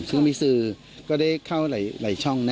ซึ่งมีสื่อก็ได้เข้าหลายช่องนะ